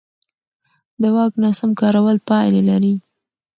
د واک ناسم کارول پایلې لري